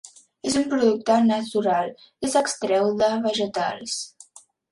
És un producte natural que s'extreu de vegetals.